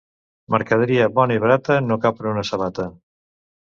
Mercaderia bona i barata no cap en una sabata.